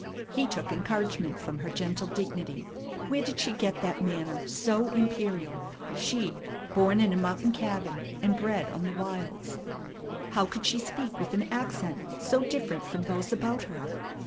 He took encouragement from her gentle dignity. Where did she get that manner so imperial, she, born in a mountain cabin and bred on the wilds? How could she speak with an accent so different from those about her?